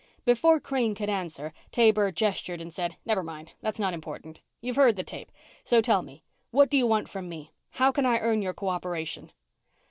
Before Crane could answer, Taber gestured and said, "Never mind. That's not important. You've heard the tape, so tell me what do you want from me? How can I earn your co operation?"